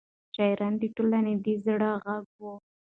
شاعران د ټولنې د زړه غږ وي.